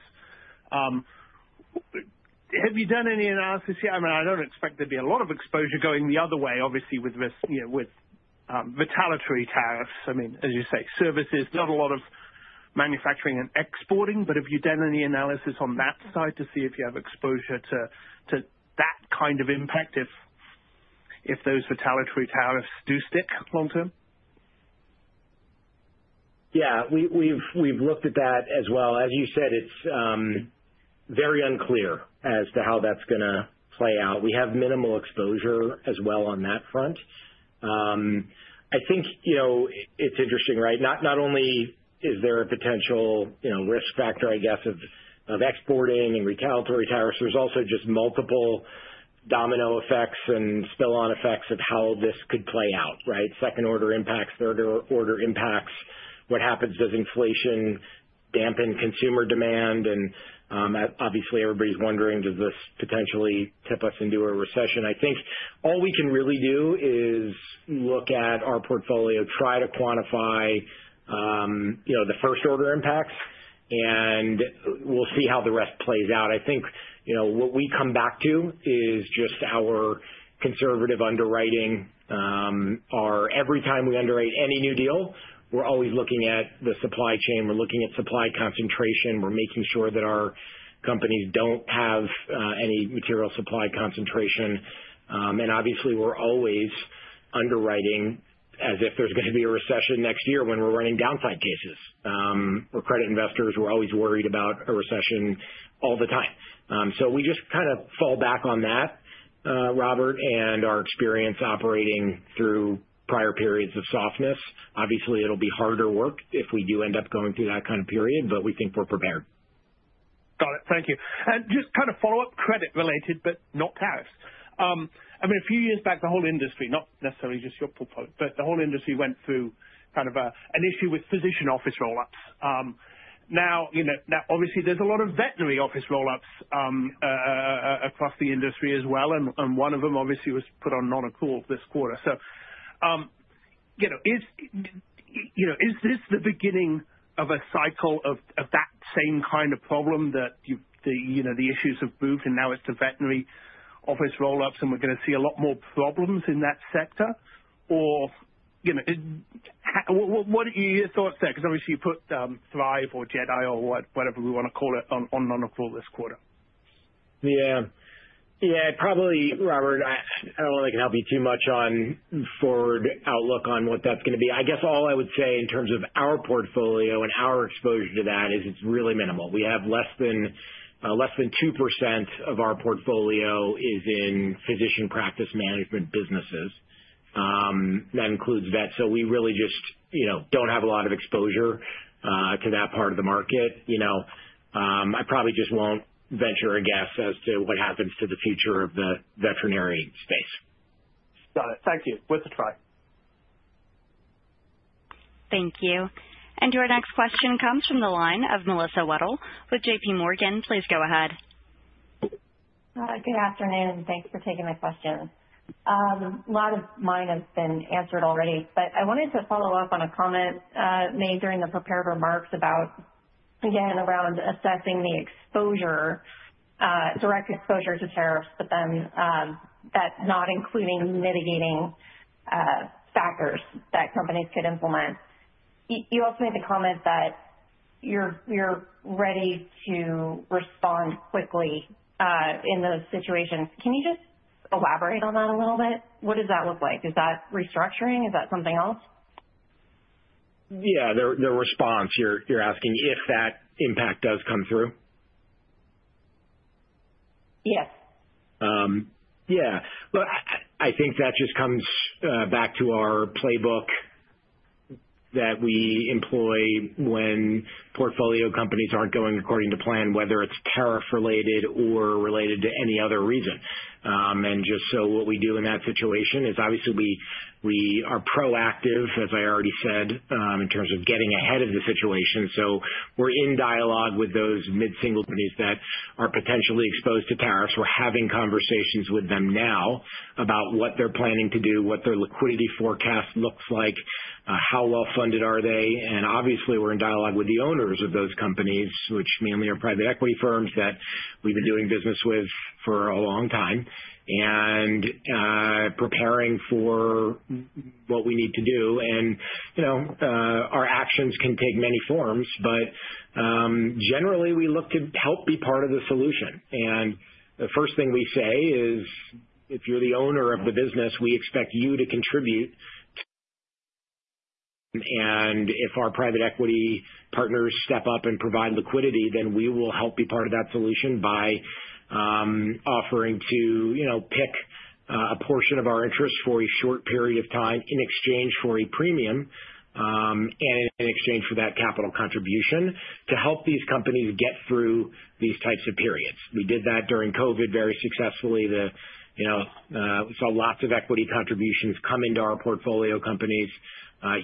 Have you done any analysis yet? I mean, I don't expect there'd be a lot of exposure going the other way, obviously, with retaliatory tariffs. I mean, as you say, services, not a lot of manufacturing and exporting. Have you done any analysis on that side to see if you have exposure to that kind of impact if those retaliatory tariffs do stick long-term? Yeah. We've looked at that as well. As you said, it's very unclear as to how that's going to play out. We have minimal exposure as well on that front. I think it's interesting, right? Not only is there a potential risk factor, I guess, of exporting and retaliatory tariffs, there's also just multiple domino effects and spill-on effects of how this could play out, right? Second-order impacts, third-order impacts, what happens as inflation dampens consumer demand. Obviously, everybody's wondering, does this potentially tip us into a recession? I think all we can really do is look at our portfolio, try to quantify the first-order impacts, and we'll see how the rest plays out. I think what we come back to is just our conservative underwriting. Every time we underwrite any new deal, we're always looking at the supply chain. We're looking at supply concentration. We're making sure that our companies don't have any material supply concentration. Obviously, we're always underwriting as if there's going to be a recession next year when we're running downside cases. We're credit investors. We're always worried about a recession all the time. We just kind of fall back on that, Robert, and our experience operating through prior periods of softness. Obviously, it'll be harder work if we do end up going through that kind of period, but we think we're prepared. Got it. Thank you. I mean, just kind of follow-up, credit-related, but not tariffs. I mean, a few years back, the whole industry, not necessarily just your portfolio, but the whole industry went through kind of an issue with physician office roll-ups. Now, obviously, there's a lot of veterinary office roll-ups across the industry as well, and one of them obviously was put on non-accrual this quarter. Is this the beginning of a cycle of that same kind of problem that the issues have moved, and now it's the veterinary office roll-ups, and we're going to see a lot more problems in that sector? What are your thoughts there? Because obviously, you put Thrive or Jedi or whatever we want to call it on non-accrual this quarter. Yeah. Yeah. Probably, Robert, I don't know if I can help you too much on forward outlook on what that's going to be. I guess all I would say in terms of our portfolio and our exposure to that is it's really minimal. We have less than 2% of our portfolio is in physician practice management businesses. That includes vets. So we really just don't have a lot of exposure to that part of the market. I probably just won't venture a guess as to what happens to the future of the veterinary space. Got it. Thank you. Worth a try. Thank you. Your next question comes from the line of Melissa Wedel with JPMorgan. Please go ahead. Good afternoon. Thanks for taking my question. A lot of mine have been answered already, but I wanted to follow up on a comment made during the prepared remarks about, again, around assessing the exposure, direct exposure to tariffs, but then that not including mitigating factors that companies could implement. You also made the comment that you're ready to respond quickly in those situations. Can you just elaborate on that a little bit? What does that look like? Is that restructuring? Is that something else? Yeah. The response, you're asking if that impact does come through? Yes. Yeah. Look, I think that just comes back to our playbook that we employ when portfolio companies aren't going according to plan, whether it's tariff-related or related to any other reason. What we do in that situation is obviously we are proactive, as I already said, in terms of getting ahead of the situation. We're in dialogue with those mid-single companies that are potentially exposed to tariffs. We're having conversations with them now about what they're planning to do, what their liquidity forecast looks like, how well-funded are they. Obviously, we're in dialogue with the owners of those companies, which mainly are private equity firms that we've been doing business with for a long time, and preparing for what we need to do. Our actions can take many forms, but generally, we look to help be part of the solution. The first thing we say is, if you're the owner of the business, we expect you to contribute. If our private equity partners step up and provide liquidity, then we will help be part of that solution by offering to pick a portion of our interest for a short period of time in exchange for a premium and in exchange for that capital contribution to help these companies get through these types of periods. We did that during COVID very successfully. We saw lots of equity contributions come into our portfolio companies.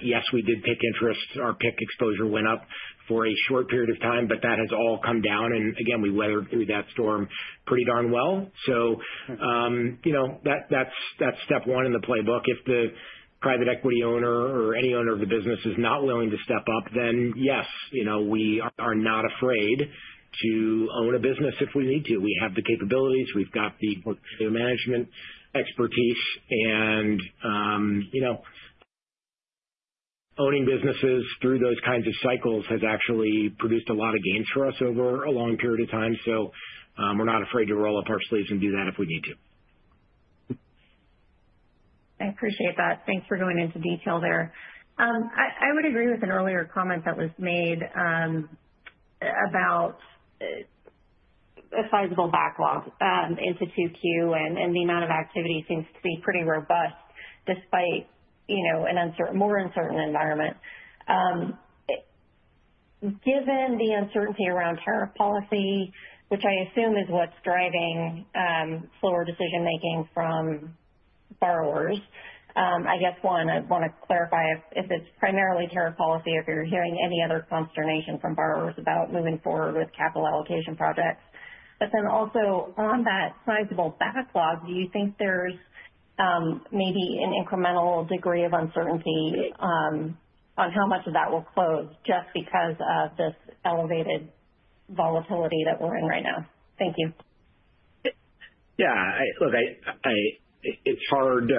Yes, we did pick interests. Our pick exposure went up for a short period of time, but that has all come down. Again, we weathered through that storm pretty darn well. That is step one in the playbook. If the private equity owner or any owner of the business is not willing to step up, then yes, we are not afraid to own a business if we need to. We have the capabilities. We have got the portfolio management expertise. Owning businesses through those kinds of cycles has actually produced a lot of gains for us over a long period of time. We are not afraid to roll up our sleeves and do that if we need to. I appreciate that. Thanks for going into detail there. I would agree with an earlier comment that was made about a sizable backlog into Q2, and the amount of activity seems to be pretty robust despite a more uncertain environment. Given the uncertainty around tariff policy, which I assume is what's driving slower decision-making from borrowers, I guess, one, I want to clarify if it's primarily tariff policy or if you're hearing any other consternation from borrowers about moving forward with capital allocation projects. Also, on that sizable backlog, do you think there's maybe an incremental degree of uncertainty on how much of that will close just because of this elevated volatility that we're in right now? Thank you. Yeah. Look, it's hard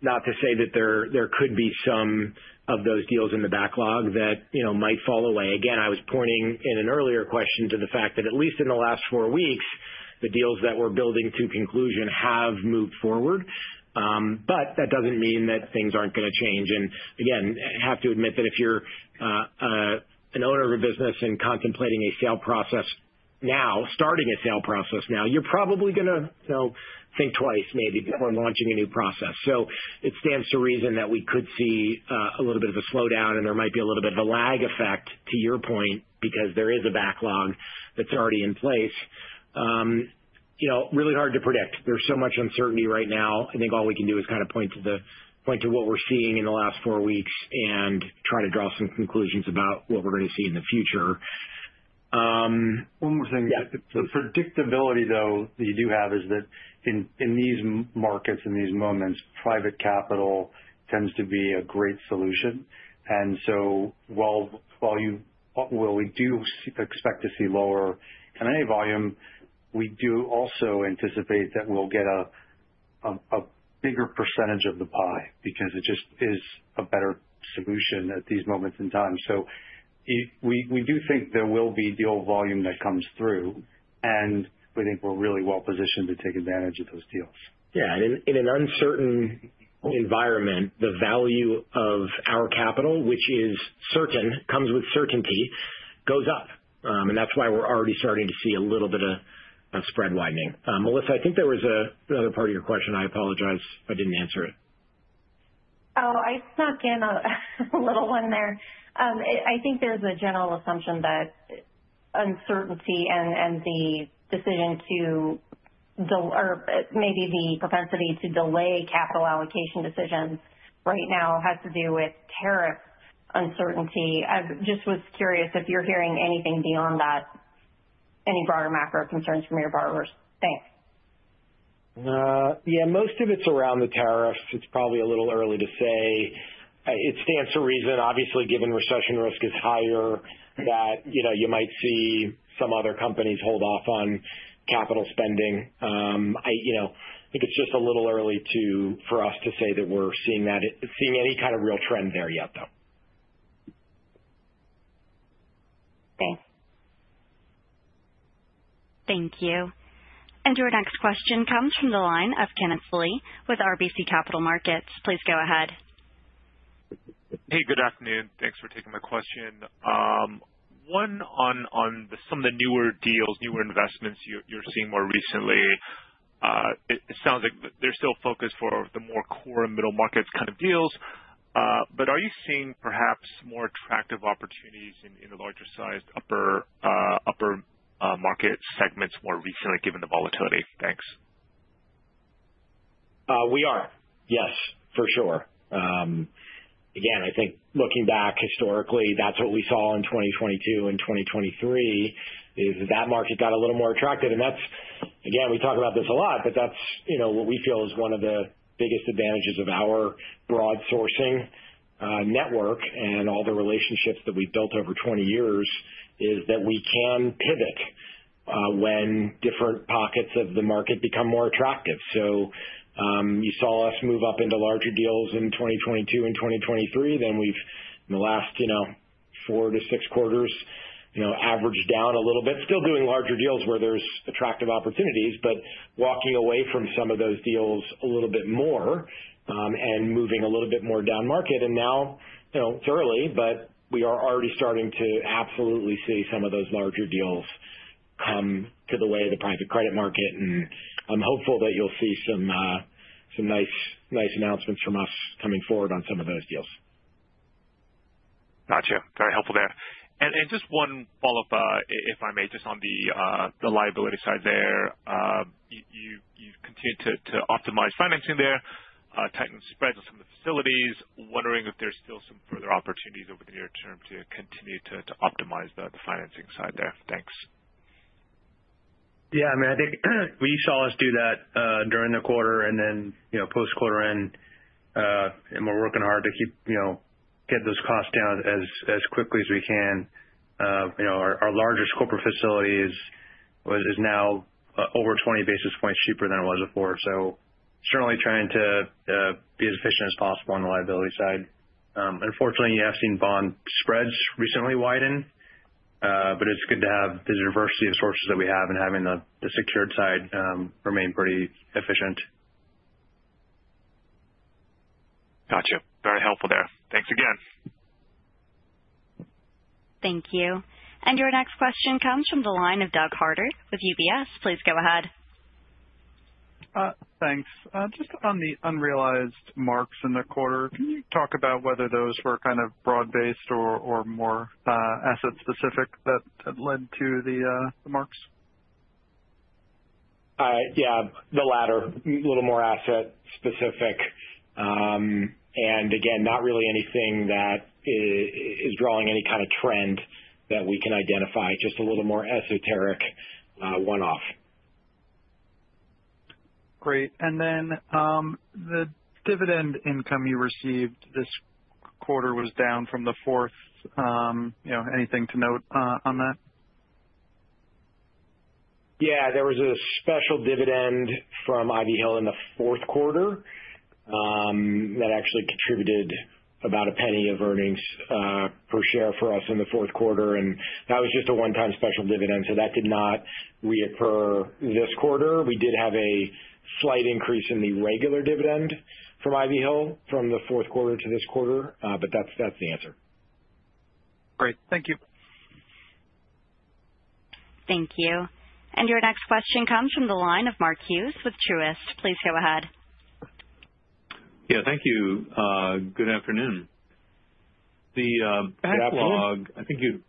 not to say that there could be some of those deals in the backlog that might fall away. Again, I was pointing in an earlier question to the fact that at least in the last four weeks, the deals that we're building to conclusion have moved forward. That does not mean that things are not going to change. Again, I have to admit that if you're an owner of a business and contemplating a sale process now, starting a sale process now, you're probably going to think twice maybe before launching a new process. It stands to reason that we could see a little bit of a slowdown, and there might be a little bit of a lag effect to your point because there is a backlog that's already in place. Really hard to predict. There's so much uncertainty right now. I think all we can do is kind of point to what we're seeing in the last four weeks and try to draw some conclusions about what we're going to see in the future. One more thing. The predictability, though, that you do have is that in these markets, in these moments, private capital tends to be a great solution. While we do expect to see lower M&A volume, we do also anticipate that we'll get a bigger percentage of the pie because it just is a better solution at these moments in time. We do think there will be deal volume that comes through, and we think we're really well-positioned to take advantage of those deals. Yeah. In an uncertain environment, the value of our capital, which is certain, comes with certainty, goes up. That is why we are already starting to see a little bit of spread widening. Melissa, I think there was another part of your question. I apologize. I did not answer it. Oh, I snuck in a little one there. I think there's a general assumption that uncertainty and the decision to, or maybe the propensity to delay capital allocation decisions right now has to do with tariff uncertainty. I just was curious if you're hearing anything beyond that, any broader macro concerns from your borrowers. Thanks. Yeah. Most of it is around the tariffs. It is probably a little early to say. It stands to reason, obviously, given recession risk is higher, that you might see some other companies hold off on capital spending. I think it is just a little early for us to say that we are seeing any kind of real trend there yet, though. Thank you. Your next question comes from the line of Kenneth Lee with RBC Capital Markets. Please go ahead. Hey, good afternoon. Thanks for taking my question. One on some of the newer deals, newer investments you're seeing more recently, it sounds like they're still focused for the more core and middle markets kind of deals. Are you seeing perhaps more attractive opportunities in the larger-sized upper market segments more recently given the volatility? Thanks. We are. Yes, for sure. Again, I think looking back historically, that's what we saw in 2022 and 2023, is that market got a little more attractive. Again, we talk about this a lot, but that's what we feel is one of the biggest advantages of our broad sourcing network and all the relationships that we've built over 20 years is that we can pivot when different pockets of the market become more attractive. You saw us move up into larger deals in 2022 and 2023. In the last four to six quarters, we averaged down a little bit, still doing larger deals where there's attractive opportunities, but walking away from some of those deals a little bit more and moving a little bit more down market. It is early, but we are already starting to absolutely see some of those larger deals come to the way of the private credit market. I am hopeful that you will see some nice announcements from us coming forward on some of those deals. Gotcha. Very helpful there. Just one follow-up, if I may, just on the liability side there. You've continued to optimize financing there, tightening spreads on some of the facilities. Wondering if there's still some further opportunities over the near term to continue to optimize the financing side there. Thanks. Yeah. I mean, I think we saw us do that during the quarter and then post-quarter end. We're working hard to get those costs down as quickly as we can. Our largest corporate facility is now over 20 basis points cheaper than it was before. Certainly trying to be as efficient as possible on the liability side. Unfortunately, you have seen bond spreads recently widen, but it's good to have the diversity of sources that we have and having the secured side remain pretty efficient. Gotcha. Very helpful there. Thanks again. Thank you. Your next question comes from the line of Doug Harter with UBS. Please go ahead. Thanks. Just on the unrealized marks in the quarter, can you talk about whether those were kind of broad-based or more asset-specific that led to the marks? Yeah. The latter, a little more asset-specific. Again, not really anything that is drawing any kind of trend that we can identify, just a little more esoteric one-off. Great. The dividend income you received this quarter was down from the fourth. Anything to note on that? Yeah. There was a special dividend from Ivy Hill in the fourth quarter that actually contributed about a penny of earnings per share for us in the fourth quarter. That was just a one-time special dividend, so that did not reoccur this quarter. We did have a slight increase in the regular dividend from Ivy Hill from the fourth quarter to this quarter, but that's the answer. Great. Thank you. Thank you. Your next question comes from the line of Mark Hughes with Truist. Please go ahead. Yeah. Thank you. Good afternoon. The backlog. Good afternoon.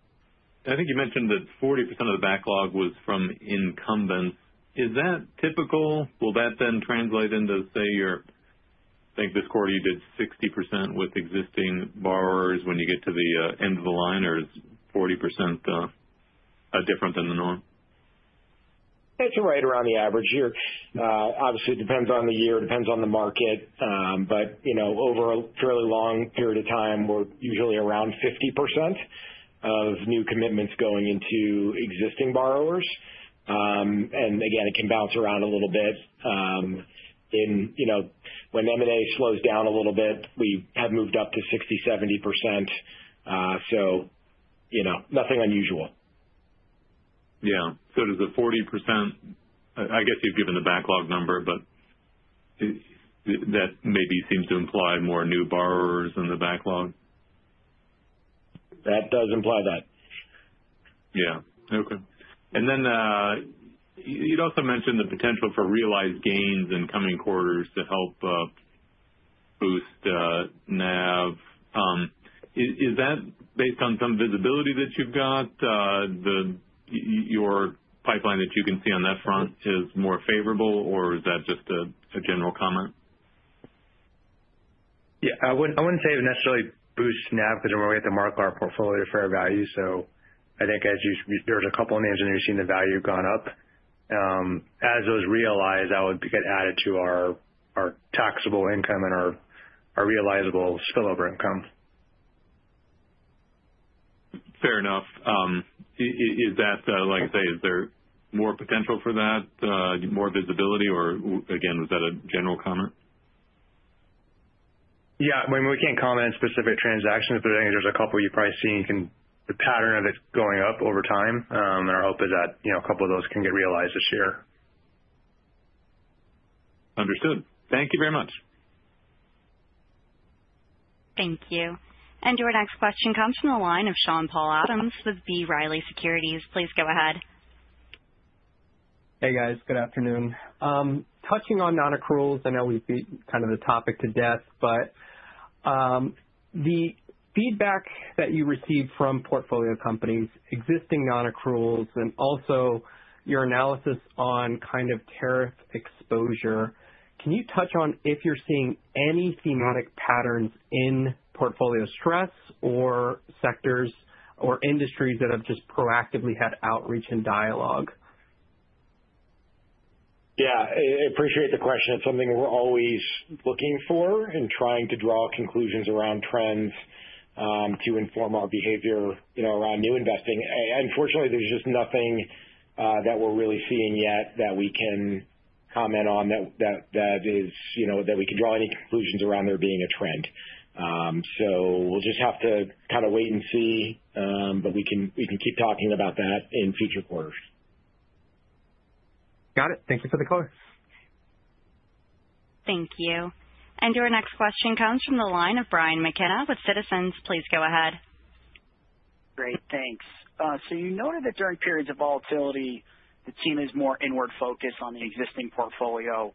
I think you mentioned that 40% of the backlog was from incumbents. Is that typical? Will that then translate into, say, your I think this quarter you did 60% with existing borrowers when you get to the end of the line, or is 40% different than the norm? It's right around the average here. Obviously, it depends on the year, depends on the market. But over a fairly long period of time, we're usually around 50% of new commitments going into existing borrowers. And again, it can bounce around a little bit. When M&A slows down a little bit, we have moved up to 60%-70%. So nothing unusual. Yeah. Does the 40%—I guess you've given the backlog number, but that maybe seems to imply more new borrowers in the backlog. That does imply that. Yeah. Okay. You'd also mentioned the potential for realized gains in coming quarters to help boost NAV. Is that based on some visibility that you've got? Your pipeline that you can see on that front is more favorable, or is that just a general comment? Yeah. I wouldn't say it would necessarily boost NAV because we're going to have to mark our portfolio to fair value. I think there's a couple of names, and you're seeing the value have gone up. As those realize, that would get added to our taxable income and our realizable spillover income. Fair enough. Is that, like I say, is there more potential for that, more visibility, or again, was that a general comment? Yeah. I mean, we can't comment on specific transactions, but I think there's a couple you're probably seeing the pattern of it going up over time. Our hope is that a couple of those can get realized this year. Understood. Thank you very much. Thank you. Your next question comes from the line of Sean-Paul Adams with B. Riley Securities. Please go ahead. Hey, guys. Good afternoon. Touching on non-accruals, I know we've beat kind of the topic to death, but the feedback that you received from portfolio companies, existing non-accruals, and also your analysis on kind of tariff exposure, can you touch on if you're seeing any thematic patterns in portfolio stress or sectors or industries that have just proactively had outreach and dialogue? Yeah. I appreciate the question. It's something we're always looking for and trying to draw conclusions around trends to inform our behavior around new investing. Unfortunately, there's just nothing that we're really seeing yet that we can comment on that we can draw any conclusions around there being a trend. We'll just have to kind of wait and see, but we can keep talking about that in future quarters. Got it. Thank you for the call. Thank you. Your next question comes from the line of Brian McKenna with Citizens. Please go ahead. Great. Thanks. You noted that during periods of volatility, the team is more inward-focused on the existing portfolio.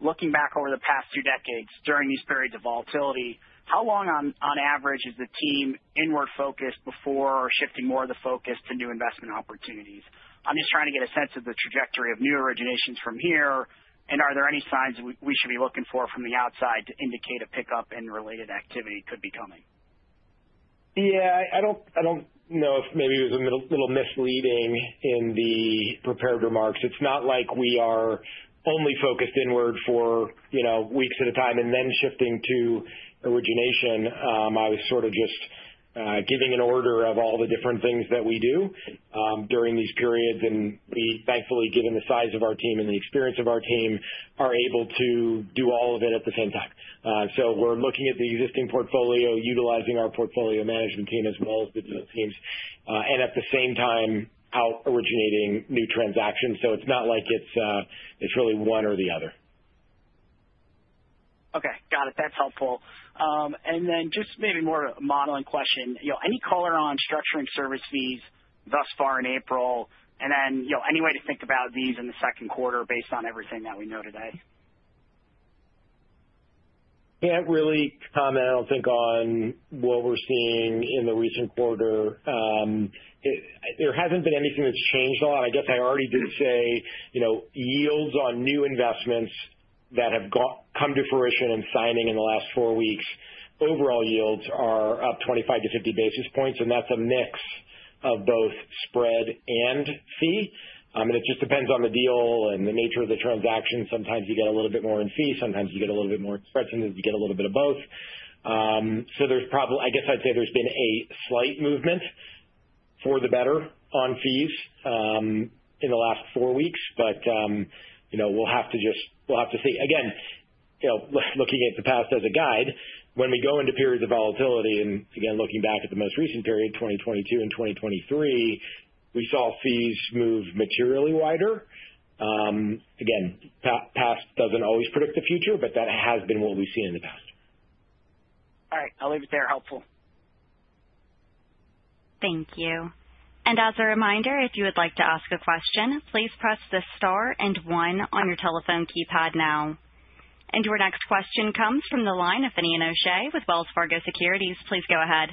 Looking back over the past two decades, during these periods of volatility, how long on average is the team inward-focused before shifting more of the focus to new investment opportunities? I'm just trying to get a sense of the trajectory of new originations from here. Are there any signs we should be looking for from the outside to indicate a pickup in related activity could be coming? Yeah. I do not know if maybe it was a little misleading in the prepared remarks. It is not like we are only focused inward for weeks at a time and then shifting to origination. I was sort of just giving an order of all the different things that we do during these periods. We, thankfully, given the size of our team and the experience of our team, are able to do all of it at the same time. We are looking at the existing portfolio, utilizing our portfolio management team as well as the deal teams, and at the same time, out-originating new transactions. It is not like it is really one or the other. Okay. Got it. That's helpful. Just maybe more of a modeling question. Any color on structuring service fees thus far in April? Any way to think about these in the second quarter based on everything that we know today? Can't really comment, I don't think, on what we're seeing in the recent quarter. There hasn't been anything that's changed a lot. I guess I already did say yields on new investments that have come to fruition and signing in the last four weeks, overall yields are up 25-50 basis points. That is a mix of both spread and fee. It just depends on the deal and the nature of the transaction. Sometimes you get a little bit more in fee. Sometimes you get a little bit more in spreads. Sometimes you get a little bit of both. I guess I'd say there's been a slight movement for the better on fees in the last four weeks, but we'll have to just see. Again, looking at the past as a guide, when we go into periods of volatility, and again, looking back at the most recent period, 2022 and 2023, we saw fees move materially wider. Again, past does not always predict the future, but that has been what we have seen in the past. All right. I'll leave it there. Helpful. Thank you. As a reminder, if you would like to ask a question, please press the star and one on your telephone keypad now. Your next question comes from the line of Finian O'Shea with Wells Fargo Securities. Please go ahead.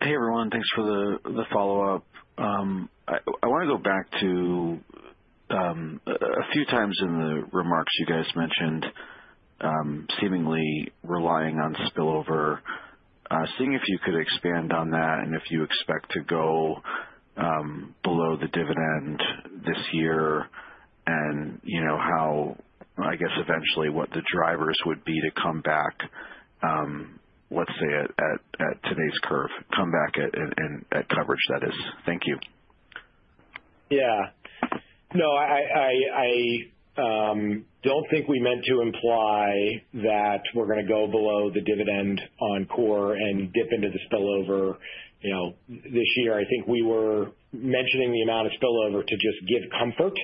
Hey, everyone. Thanks for the follow-up. I want to go back to a few times in the remarks you guys mentioned seemingly relying on spillover. Seeing if you could expand on that and if you expect to go below the dividend this year and how, I guess, eventually what the drivers would be to come back, let's say, at today's curve, come back at coverage that is. Thank you. Yeah. No, I don't think we meant to imply that we're going to go below the dividend on core and dip into the spillover this year. I think we were mentioning the amount of spillover to just give comfort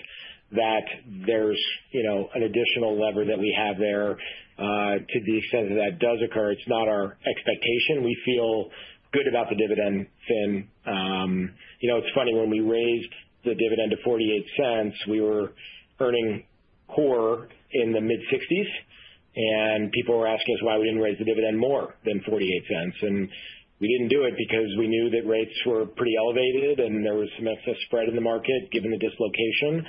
that there's an additional lever that we have there to the extent that that does occur. It's not our expectation. We feel good about the dividend, Finn. It's funny when we raised the dividend to $0.48, we were earning core in the mid-60s, and people were asking us why we didn't raise the dividend more than $0.48. We didn't do it because we knew that rates were pretty elevated and there was some excess spread in the market given the dislocation,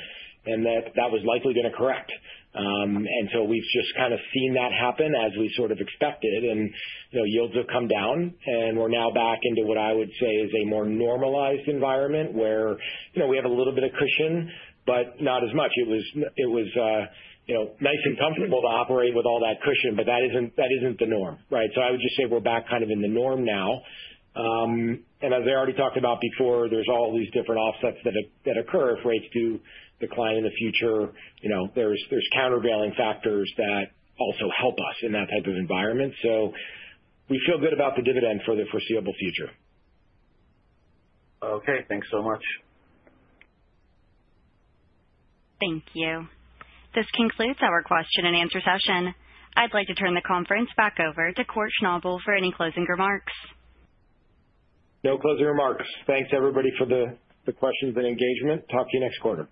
and that that was likely going to correct. We have just kind of seen that happen as we sort of expected. Yields have come down, and we're now back into what I would say is a more normalized environment where we have a little bit of cushion, but not as much. It was nice and comfortable to operate with all that cushion, but that isn't the norm, right? I would just say we're back kind of in the norm now. As I already talked about before, there are all these different offsets that occur if rates do decline in the future. There are countervailing factors that also help us in that type of environment. We feel good about the dividend for the foreseeable future. Okay. Thanks so much. Thank you. This concludes our question and answer session. I'd like to turn the conference back over to Kort Schnabel for any closing remarks. No closing remarks. Thanks, everybody, for the questions and engagement. Talk to you next quarter.